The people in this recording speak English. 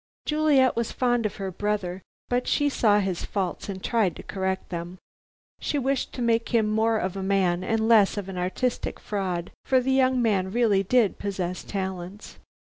Juliet was fond of her brother, but she saw his faults and tried to correct them. She wished to make him more of a man and less of an artistic fraud, for the young man really did possess talents.